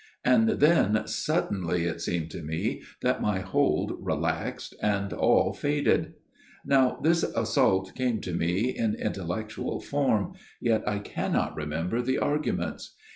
And then suddenly it seemed to me that my hold relaxed, and all faded. Now this assault came to me in intellec tual form, yet I cannot remember the argu ments.